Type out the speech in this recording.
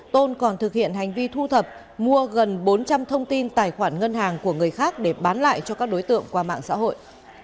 tôn còn thực hiện hành vi thu thập mua gần bốn trăm linh thông tin tài khoản ngân hàng của người khác để bán lại cho các đối tượng qua mạng xã hội